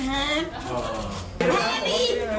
แพรรี่เหยื่อนกัน